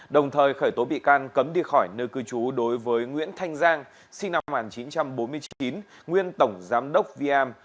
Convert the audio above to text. đồng thời khởi tố bị can cấm đi khỏi nơi cư trú đối với nguyễn thanh giang sinh năm một nghìn chín trăm bốn mươi chín nguyên tổng giám đốc vm